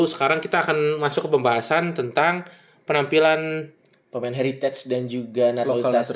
sekarang kita akan masuk ke pembahasan tentang penampilan pemain heritage dan juga natoiza